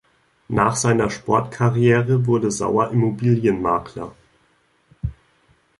Nach seiner Sportkarriere wurde Sauer Immobilienmakler.